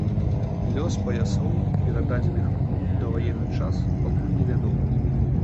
Лёс паясоў, перададзеных у даваенны час, пакуль невядомы.